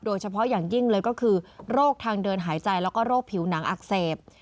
โดยเฉพาะอย่างยิ่งเลยก็คือโรคทางเดินหายใจแล้วก็โรคผิวหนังอักเสบ